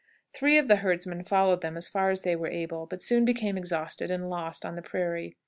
Three of the herdsmen followed them as far as they were able, but soon became exhausted and lost on the prairie.